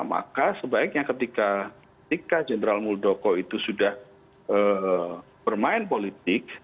maka sebaiknya ketika jenderal muldoko itu sudah bermain politik